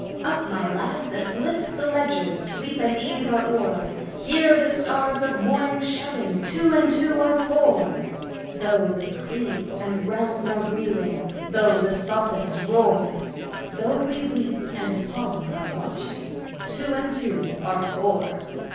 " Up my lads and lift the ledgers, sleep and ease are o'er. Hear the Stars of Morning shouting :' Two and Two are four.' [ 107 ] The Little Birds Who Won't Sing Though the creeds and realms are reeling, though the sophists roar, Though we weep and pawn our watches, Two and Two are four.